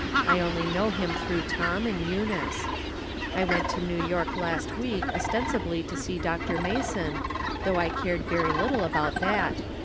I only know him through Tom and Eunice. I went to New York last week os tensibly to see Dr. Mason, though I cared very little about that.